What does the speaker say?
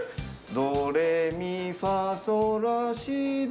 ドレミファソラシド